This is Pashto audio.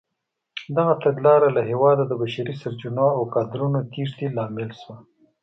دغه تګلاره له هېواده د بشري سرچینو او کادرونو تېښتې لامل شوه.